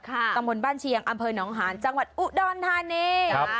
ตำบลบ้านเชียงอำเภอหนองหานจังหวัดอุดรธานี